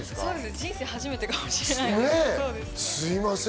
人生で初めてかもしれないです。